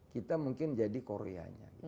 kita mungkin jadi koreanya